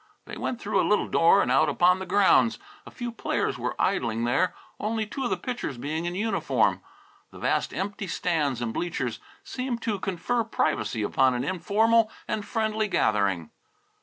They went through a little door and out upon the grounds. A few players were idling there, only two of the pitchers being in uniform. The vast empty stands and bleachers seemed to confer privacy upon an informal and friendly gathering.